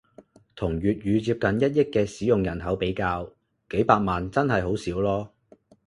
同粵語接近一億嘅使用人口比較，幾百萬真係好少囉